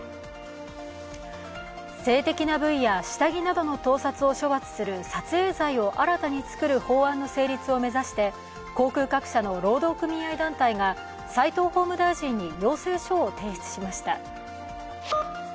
性的な部位や下着などの盗撮を処罰する撮影罪を新たに作る法案の成立を目指して、航空各社の労働組合団体が齋藤法務大臣に要請書を提出しました。